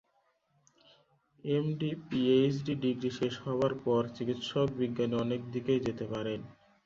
MD-PhD degree শেষ হবার পর চিকিৎসক-বিজ্ঞানী অনেক দিকেই যেতে পারেন।